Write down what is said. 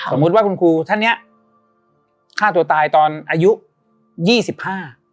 สมมุติว่าคุณครูท่านเนี้ยฆ่าตัวตายตอนอายุยี่สิบห้า